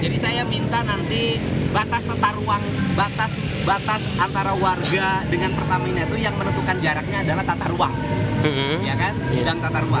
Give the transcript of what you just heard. saya minta nanti batas antara warga dengan pertamina itu yang menentukan jaraknya adalah tata ruang